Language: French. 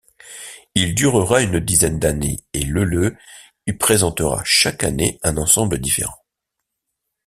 Il durera une dizaine d’années et Leleu y présentera chaque année un ensemble différent.